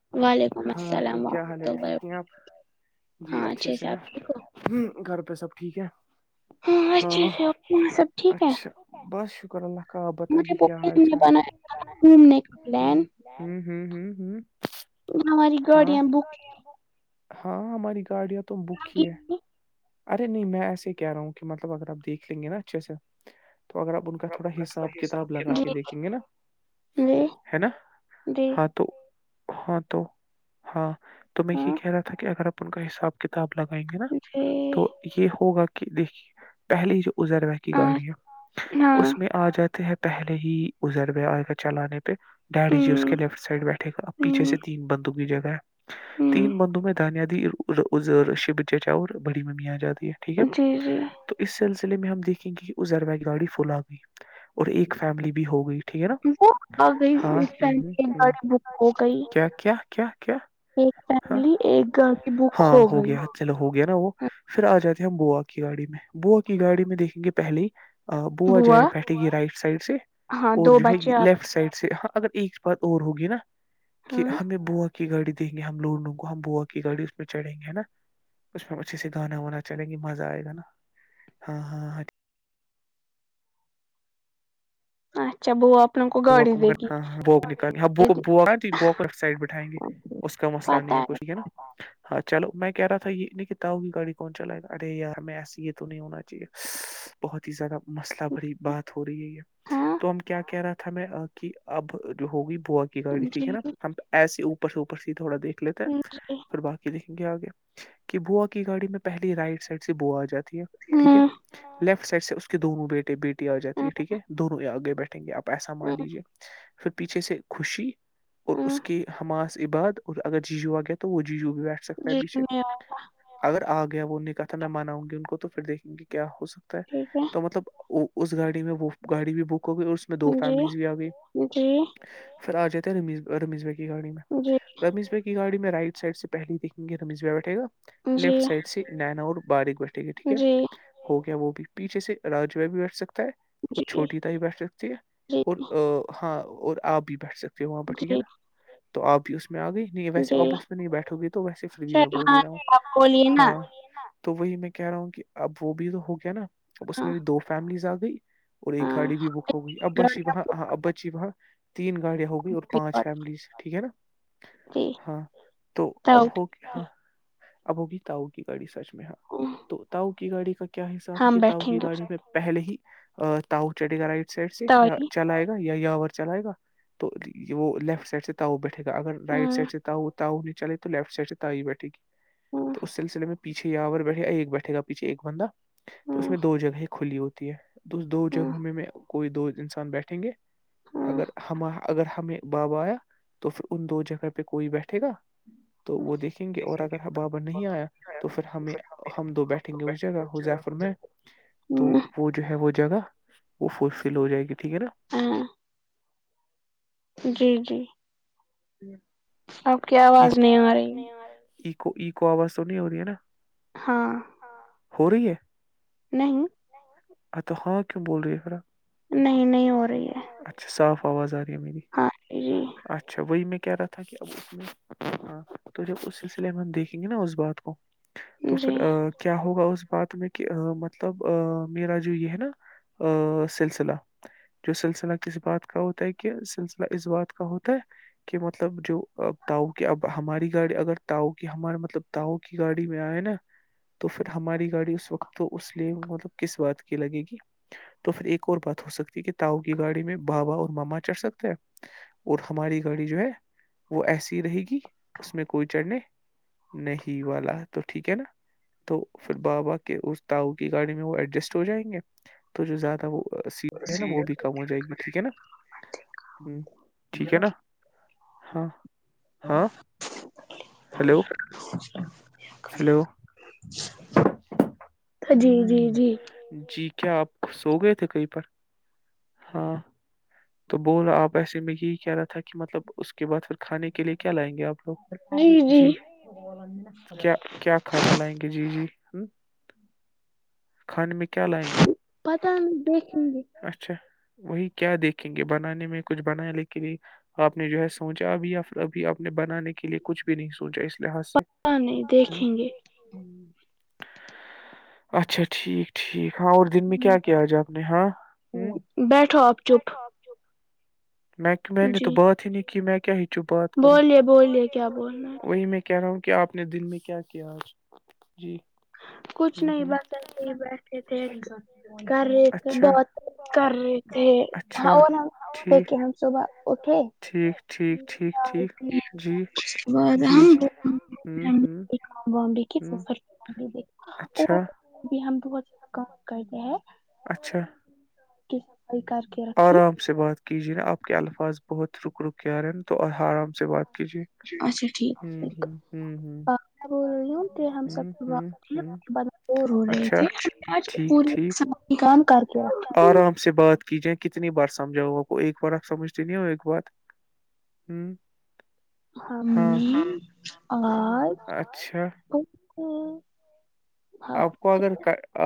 وعلیکم ہاں تو السلام کیا ورحمۃ حالت اللہ ٹھیک نہیں وبرکاتہ۔ ہیں آپ جی ہاں اچھے سے آپ ٹھیک ہو ہیں گھر پے سب ٹھیک ہے ہاں اچھے ہے آپ سب ٹھیک ہے اچھا بس شکر اللہ کا آپ مجھے بتائیے کیا حال چال گومنے ک ہے پلاعن ہ ہ ہماری ہاں گاڑیاں بک ہاں ہماری گاڑیاں تو بک کی ہے تھی ارے نہیں میں ایسے ہی کہہ رہا ہوں کہ مطلب اگر آ دیکھ لیں گے نا اچھے سے تو اگر آپ ان کا تھوڑا حساب جی کتاب لگا کے دیکھیں گے نا جی ہے نا جی ہاں تو ہاں تو ہاں تو میں یہ ہاں کہہ رہا تھا کہ اگر آپ ان کا حساب کتاب لگائیں گے نا جی تو یہ ہوگا کہ دیکھیے پہلی جو ازروا کی ہاں گاڑی ہے اس میں آ جاتے ہیں پہلے ہی ازربے چلانے ڈیڈی جی اس ہمم کے لیفٹ سائڈ بیٹھے گا پیچھے ہمم سے تین بندو کی جگہ ہے ہمم تین بندوں میں دانیاد شب چاور بڑی میںمی آ جاتی ہے ٹھیک ہے جی جی تو اس سلسلے میں ہم دیکھیں گے کہ وہ زربا کی گاڑی فلا گئی اور ایک فیملی بھی ہو گئی ٹھیک ہے نا وہ آ گئی ہاں ایک فیملی ایک گاڑی بک ہو گئی کیا کیا کیا کیا ایک ہاں فیملی ایک گاڑی بک ہاں ہو گئی گیا چلو ہو گیا نا وہ پھر آ جاتے ہیں ہم بوا کی گاڑی میں بوا کی گاڑی میں دیکھیں گے پہلی بو بوا جائے بیٹھے گی رائٹ سائڈ سے ہاں اور دو جو ہے بچے آ لیفٹ سائڈ سے ہاں اگر ایک بات اور ہوگی نا کہ ہاں ہمیں بوا کی گاڑی دیکھ ہم دونوں کو ہم بوا کی گاڑی اس میں چڑیں گے نا اس میں اچھے سے گانا وانا چلیں گے مزہ آئے گا نا ہاں ہاں ہاں اچھا بوا آپ لوگوں کو گاڑی دے گی لیفٹ سائڈ بیٹھایے گے اس کا مسئلہ نہیں ہے مشکل ہاں چلو میں کہہ رہا تھا یہ نہیں تاؤ گی گاڑی کون چلائے گا ارے یار ہمیں ایس یہ تو نہیں ہونا چاہیے بہت ہی زیادہ مسلہ بھری بات ہو رہی ہے ہاں تو ہم کیا کہہ رہا کہ اب جو ہوگی بوا کی گاڑی جی ٹھیک ہے نا ہم ایسے اوپر سے اوپر سے تھوڑا دیکھ لیتا جی ہے پھر باقی دیکھیں گے آگے کہ بوا کی گاڑی میں پہلی رائٹ سائڈ سے بوا آ جاتی ہے ٹھیک ہے ہوں لیفٹ سائڈ سے اس کے دونوں بیٹے بیٹی آ جاتی ہے ٹھیک ہے دونوں آگے بیٹھیں گے آپ ایسا مان لیجیے پھر پیچھے سے خوشی اور ہوں اس کے حماس بعد اگر جیجو آ گئے تو وہ جیجو بھی بیٹھ سکتے ہے جی پیچھے میں اگر آ گیا وہ نکا تھا میں مناؤں گی ان کو تو پھر دیکھیں گے کیا ہو سکتا ٹھیک ہے تو مطلب وہ اس گاڑی میں وہ گاڑی بھی بک ہو گئی اس میں دو جی فیملیز بھی آ گئی جی پھر آ جاتے ہیں رمیش رمیش بھائی کی گاڑی میں جی رمیش بھائی کی یہ گاڑی میں رائٹ سائڈ سےہلے دیکیں گے رمیشہ بیٹھ گا جی جی لیفٹ سائڈ سی نیناور باریک بیٹھے گی ٹھیک ہے ہو گیا وہ بھی پیچے سے راجو بھی بیٹھ سکتا ہے اور جی چھوٹی ت بھی بیٹھ سکتی ہے ہاں اور آپ بھی بیٹھ سکتے ہو وہاں پہ جی جی ٹھیک ہے نا تو آپ بھی اس میں آ گئی نہیں ویسے جی آفس میں نہیں بیٹھو گی تو ویسے فری بھی میں سر بول ہاں ہی رہا آپ ہوں بولیے نا ہاں تو وہی میں کہہ رہا ہوں کہ اب وہ بھی تو ہو گیا نا اب اس ہاں میں بھی دو فیملیز آ گئی اور ایک ہاں گاڑی بھی بک ہوگئی اب بچی وہاں ہاں اب بچی وہاں تین گاڑیاں ہوگی اور پانچ فیملیز ٹھیک ہے نا ہاں تو اب ہو ہاں اب ہوگی ت ہوگی گاڑی سچ میں ہاں تو تاؤ کی گاڑی کا کیا حساب ہے ہم یہ تاؤ بیٹھیں کی گے گاڑی میں پہلے ہی تاؤ چھے گا رائٹ سائڈ سے یا توئی چلائے گا یا یاور چلائے گا تو وہ ل لیفٹ سائڈ سے تاؤ بیٹھے گا اگر رائٹ سائڈ سے تاو تاؤو نہیں چلے تو لیفٹ سائڈ سے تای ہی بیٹھے گی تو اس سلسلے میں پیچھے یا بیٹھے گ ایک بیٹھے گا پیچھے ایک بندہ تو اس میں دو جگہیں کھلی ہوتی ہے تو اس دو جگہوں میں کوئی دو انسان بیٹھیں گے اگر ہم اگر ہمیں بابا آیا تو پھر ان دو جگہ پہ کوئی بیٹھے گا تو وہ دیکھیں گے اور اگر ہبابا نہیں آیا تو پھر ہمیں ہم دو بیٹھیں گے اس جگہ زیفر میں تو وہ جو ہے وہ جگہ وہ فل فل ہو جائے گی ٹھیک ہے نا ہاں جی جی آپ کی آواز نہیں آ رہی ایکو آواز تو نہیں ہوتییا نا ہاں ہو رہی ہے نہیں تو ہاں کیوں بول رہی ہے پرا نہیں نہیں ہو رہی ہے اتھ صاف آواز مری ہاں جی اچھا وہی میں کیاہ رہا تھا کہ اب اس میں ہاں تو جب اس سلسلے میں ہم دیکھیں گے نا اس بات کو تو پھر جی کیا ہوگا اس بات میں کہ مطلب میرا جو یہ ہے نا سلسلہ جو سلسلہ سلسل کس بات کاٮو کہ سلسللہ اس بات کر ہوو کہ مطلب جو تاؤ کی اب ہماری گاڑی اگر تاؤ کی ہمارے مطلب تاؤ کی گاڑی میں آئے نا تو پھر ہماری گاڑی اس وقت تو اس لیے مطلب کس بات کی لگے گی تو پھر ایک اور بات ہو سکتی ہے کہ تاؤ گاڑی میں بابا اور ماما چڑھ سکتے ہیں اور ہماری گاڑی جو ہے وہ ایسی رہے گی اس میں کوئی چڑھنے نہیں والا تو ٹھیک ہے نا تو پھر بابا کے اس تاؤ کی گاڑی میں وہ ایڈجسٹ ہو جائیں گے تو جو زیادہ وہ سی ہے نا وہ بھی ہو جائے گی ٹھیک ہے نا ٹھیک ہے نا ہاں ہاں ہلو ہیلو کیا ہیلو جی جی جی جی کیا آپ خ سو گئے تھے کہیں پر ہاں تو بول آپ ایسے میں یہی کہہ رہا تھا کہ کہ مطلب اس کے بعد پھر کھانے کے لیے کیا لائیں گے آپ جی کیا کیا کھانا لائیں گے جی جی ہم، کھانے میں کیا لائیں گے پتا نہیں دیکھیں گے اچھا وہی کیا دیکھیں گے بنانے میں کچھ بنایا لیکن یہ آپ نے جو ہے سوچا ابھی یا پھر ابھی آپ نے بنانے کے لیے کچھ بھی نہیں سوچا اس لحاظ سے نہیں ہم، دیکھیں گے اچھا اچھ ٹھیک ٹھیک ہاں اور دن میں کیا کیا آج آپ نے ہاں بیٹھو آپ چپ میں می نے تو جی بات ہی نہیں کہ بولیے بولیے کیا بول رہ ہے وہی میں کہہ رہا ہوں کہ آپ نے دل میں کیا کیا آج جی کچھ ہ نہیں ہ بچلتے ہی بیٹھے تھے کر رہے تھے اچھا بہت کر رہے تھے اچھا ہاں وہ ٹھیک دیکھے ہم صبح اٹھے ٹھیک ٹھیک ٹھیک چائے ٹھیک پی جی اور جی جی بامبے کی ہ سر اچھا بھی ہم بہت زیادہ کام کرتے ہیں اچھا کی صفائی کر کے رکھی آرام سے بات کیجیے نا آپ کے الفاظ بہت رک رکے آ رہے ہیں نا تو آرام سے بات کیجے اچھا ٹھیک ٹھیک میں بول رہی ہوں کہ ہم ہ سبات ہ ہ وہ رو رہے اچھا تھے ٹھیک ٹھیک پوری کان کر کے چیزیں کتنی بار سمھاؤا کو ایک بار آپ سمجھتے نہیں ہو ایک بار ہوں ہاں اور اچھا آپ کو اگر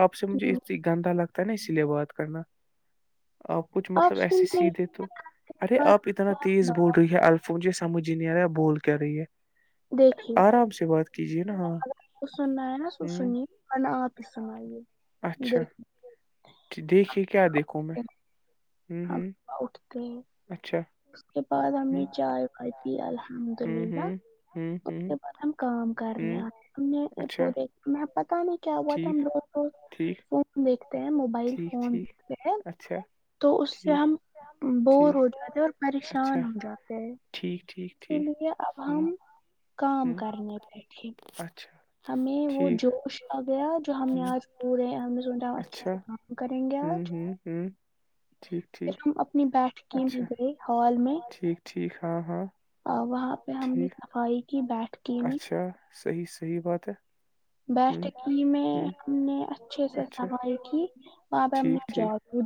آپ سے مجھے اتنی گندا لگتا ہے نا اسی لیے بات کرنا آپ کچھ مطلب ایسے سیدھے تو ارے آپ اتنا تیز بول رہی ہیں الفا مجھے سمجھ ہی نہیں آ رہا ہے بول کے رہی ہے دیکھیے آرام سے بات کیجے نا ہاں الا آپ ہی سنائیے اچھا دیکھ دیکھیے کیا دیکھوں میں ہوں ہم ہوں اٹھتے ہیں، اچھا اس کے بعد ہم نے چائے کھائی ت الحمد ہوں للہ ہوں ہوں اس ہوں کے بعد ہم کام کرنے ہوں آ ہم نے اچھا پورے ہم پتہ نہیں کیا ہوا تھا ٹھیک ہم لوز روز ٹھیک فون دیکھتے ہیں موبائل ٹھیک فون ٹھیک دیکھتے ہیں اچھا تو اس سے ہم ٹھیک بور ٹھیک ہو جاتے اور اچھا پریشان ہو جاتے ہیں ٹھیک ٹھیک اسی ٹھیک لیے اب ہوں ہم کا ہوں کرنے پیٹھ اچھا ہمیں وہ ٹھیک جوش آ گیا جو ہم نے ہوں آج پورے ہم ساوں اچھے اچھا سے کام کریں گے ہوں آج ہوں ہوں ٹھیک پھر ٹھیک ہم اپنی بیٹکیں بھی اچھا گئے ہال میں ٹھیک ٹھیک ہاں ہاں وہاں پہ ہم نے ٹھیک صفائی کی بیٹھک میں اچھا صحیح صحیح بات ہے ہوں بیٹھک کی میں ہوں ہم نے اچھے سے اچھا سفائی کی وہاں پہ ہم نے ٹھیک ٹھیک جاؤ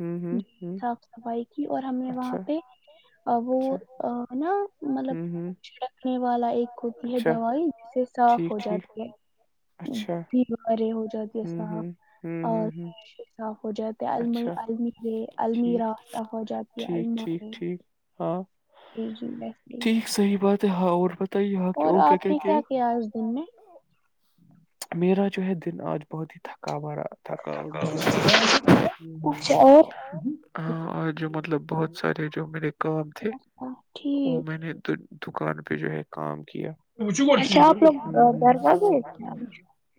ہوں ہوں ہوں صاف صفائی کی اور ہم نے وہاں اچھا پہ اچھا وہ نا مطلب ہوں ہوں چھڑکنے والا ایک ہوتی ہے اچھا دوائی جسے صاف ٹھیک ہو ٹھیک جاتی ہے اچھا بیمار ہو ہوں صاف ہوں ہوں ہوں اور ہوں صاف ہو جاتے ہے الم اچھا المیر ٹھیک المیرا صاف ہو جاتی ہے ٹھیک المار ٹھیک ٹھیک ہاں جی ٹھیک صحیح بات ہے ہاں اور بتائیے ہاں اور آپ نے کیا کیا اس دن میں میرا جو ہے دن آج بہت ہی تھکاوا رہا تھکاؤٹ براب اچھا اور ہاں اور جو مطلب بہت سارے جو میرے کام تھے ہاں، وہ ٹھیک میں نے دکان پہ جو ہے کام کیا ہوں ش ہوں دروازے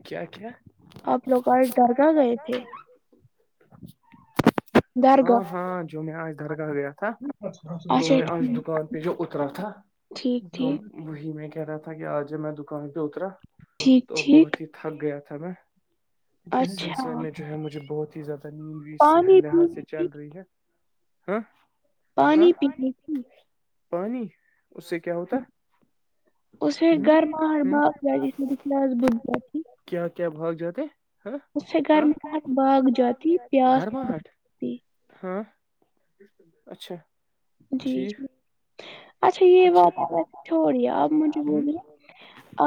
کیا کیا گئے تھے درگاہ ہاں ہاں جو میں آج درگاہ گیا تھا تو اچھا میں آج دکان پہ جو اترا تھا ٹھیک تو ٹھیک وہی میں کہہ رہا تھا کہ آ جب میں دکان پہ اترا ٹھیک تو ٹھیک بہت ہی تھک گیا تھا میں تو اس سلسلے اچھا میں جو ہے مجھے بہت ہی زیادہ نیند سے پانی لحاظ سے پی چل رہی ہے ہاں ہاں پانی پینے کی پانی اس سے کیا ہوتا اسے ہ گھر مار ہ باپ میں دس بدھ کیا کیا بھاگ جاتے ہاں اس سے ہاں گرماہٹ بھاگ جاتی پیاس گھرماہٹ جاتی۔ ہاں اچھا جی ٹھیک جی اچھا یہ بات چھ ہو رہی ہے آپ مجھے ہوں بول رہے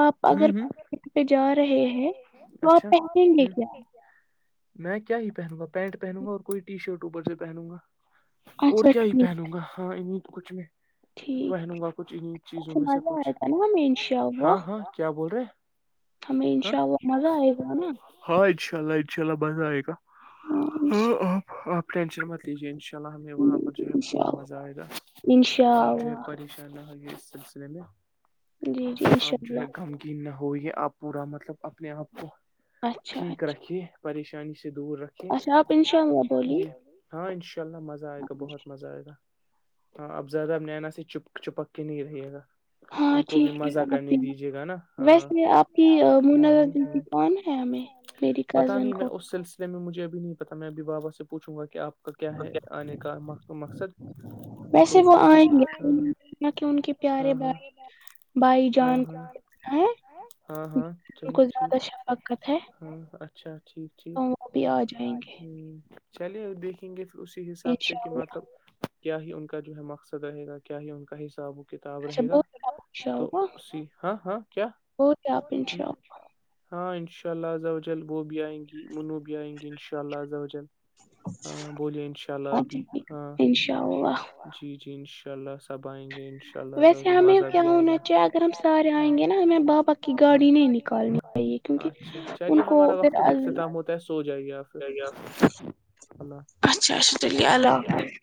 آپ اگر ہوں پ پہ جا رہے ہیں تو آپ اچھا پہنیں ہ گے کیا میں کیا ہی پہنوں گا پینٹ پہنوں گا اور کوئی ٹی شرٹ اوپر سے پہنوں گا اور اچھا کیا ہی ٹھیک پہنوں گا ہاں ا کچھ میں ٹھیک پہنوں گا کچھ انیں چیزوں ایسے میں سے مزہ کچھ آئے گا نا ہمیں انشاء اللہ ہاں ہاں کیا بول رہے ہمیں ہاں انشاء اللہ مزہ آئے گا نا ہاں ان شاء اللہ ان شاء اللہ بندئے گ ہاں آپ آپ ٹینشن مت لیجیے ان شاء اللہ ہمیں وہاں پر جو ہے پورا مزہ آئے گا اشاء اللہ ان شاء اللہ یہ اس سلسلے میں جی جی آپ انشاء جو ہے اللہ گم ق نہ ہوئیے آپ پورا مطلب اپنے آپ کو اچھا ٹھیک اچھا رکھیے پریشانی سے دور رکھ اچھا آپ انشاء اللہ بولیے جی ہاں ان شاء اللہ مزہ آئے گا بہت مزہ آئے گا ہاں اب زیادہ اب نینا سے چپ چپک کے نہیں رہے گا ہاں ان کو بھی ٹھیک ہے مزہ آپ کرنے بھی دیجیے گا نا ویسے آپ کی ہاں منازع دلتی کون ہے ہمیں میری پتا کزن نہیں میں کو اس سلسلے میں مجھے اب نہیں پتا میں ابھی بابا سے پوچوں گا کہ آپ کا کیا ہے آنے کا مقصد ویسے تو وہ اسی آئیں گے کہ ان کے پیارے ہاں ہاں بائی بھائی ہاں ہاں جان ہاں کونا ہے ہاں ان کو زیادہ شفقت ہے ہوں اچھا ٹھیک ٹھیک تو وہ بھی آ جائیں گے ہ چلیے ا دیکھیں گے پھر اسی حساب سے انشاء کہ اللہ مطلب کیا ہی ان کا جو ہے مقصد رہے گا کیا ہی ان کا حساب کتاب اچھا رہے گا بہت آپ انشاء اللہ توی ہاں ہاں کیا بہت آپ انشاء اللہ ہاں انشاء اللہ ز جل وہ بھی آئیں گی اننو بھی آئیں گی انشاء اللہ ز جل ہاں بولیے انشاء اللہ ابھی اچھا ٹھیک ہاں انشاء اللہ جی جی انشاء اللہ سب آئیں گے انشاء ویسے اللہ ہمیں مزہ کیا بھی آئے گا ہونا چاہیے اگر ہم سارے ہاں آئیں گے نا بابا کی گاڑی نہیں نکالنی چاہیے کیونکہ اچھا ان چلیے کو ہمارا پھر وقت بھی اختتام ہوتا ہے سو جائیے آپ پھر اللہ اچھا اچھا تلیے اللہ حافظ